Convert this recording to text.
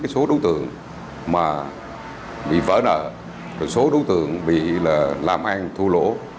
số đối tượng bị vỡ nợ số đối tượng bị làm an thu lỗ